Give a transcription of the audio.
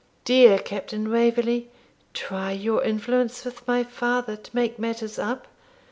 Dear Captain Waverley, try your influence with my father to make matters up.